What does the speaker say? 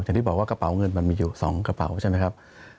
อย่างที่บอกว่ากระเป๋าเงินมันมีอยู่๒กระเป๋าใช่ไหมครับ